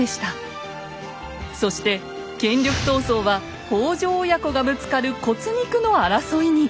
そして権力闘争は北条親子がぶつかる骨肉の争いに！